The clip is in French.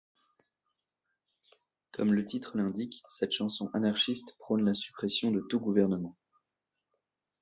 Comme le titre l'indique, cette chanson anarchiste prône la suppression de tout gouvernement.